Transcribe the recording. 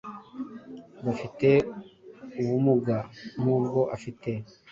bafite ubumuga nk’ubwo afite,